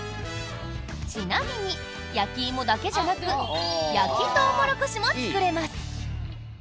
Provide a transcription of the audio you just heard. ちなみに、焼き芋だけじゃなく焼きトウモロコシも作れます。